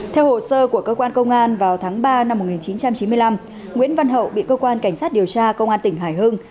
theo hồ sơ của cơ quan công an vào tháng ba năm một nghìn chín trăm chín mươi năm nguyễn văn hậu bị cơ quan cảnh sát điều tra công an tỉnh hải hưng